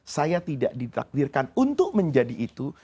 saya tidak ditakdirkan untuk menjadi itu